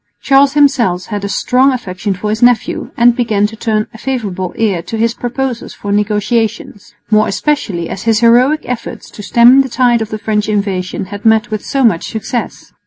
Charles himself had a strong affection for his nephew, and began to turn a favourable ear to his proposals for negotiations, more especially as his heroic efforts to stem the tide of French invasion had met with so much success.